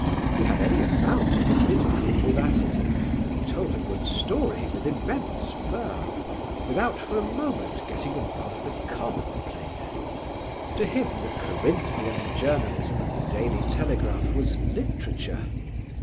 He had any amount of physical vivacity, and told a good story with immense verve, without for a moment getting above the commonplace: to him the Corinthian journalism of The Daily Telegraph was literature.